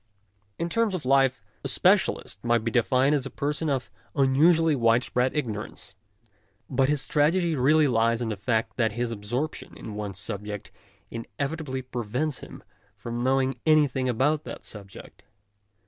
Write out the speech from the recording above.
In terms of life a specialist might be 84 MONOLOGUES defined as a person of unusually widespread ignorance, but his tragedy really lies in the fact that his absorption in one subject in evitably prevents him from knowing anything about that subject.